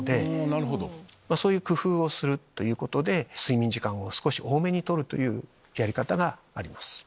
そういう工夫をすることで睡眠時間を少し多めに取るというやり方があります。